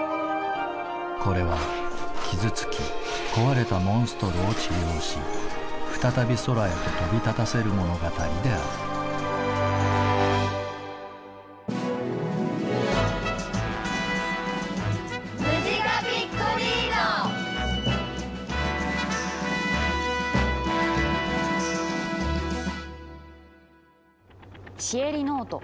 これは傷つき壊れたモンストロを治療し再び空へと飛び立たせる物語である「シエリノート。